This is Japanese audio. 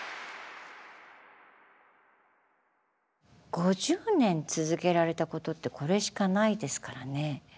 ５０年続けられたことってこれしかないですからね。